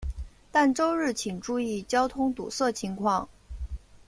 但周日请注意交通堵塞情况。